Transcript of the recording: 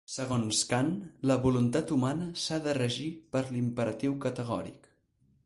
Segons Kant, la voluntat humana s'ha de regir per l'imperatiu categòric.